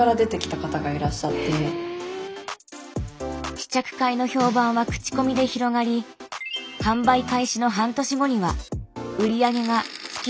試着会の評判は口コミで広がり販売開始の半年後には売上が月１０００万円に到達。